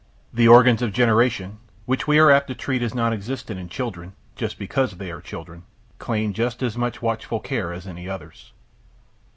The organs of generation, which we are apt to treat as nonexistent in children, just because they are children, claim just as much watchful care as any others.